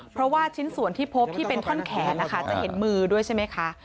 เพราะว่าชิ้นส่วนที่พบที่เป็นท่อนแขนนะคะจะเห็นมือด้วยใช่ไหมคะ